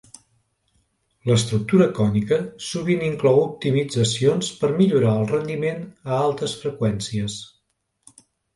L'estructura cònica sovint inclou optimitzacions per millorar el rendiment a altes freqüències.